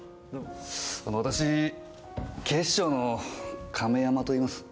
あの私警視庁の亀山といいます。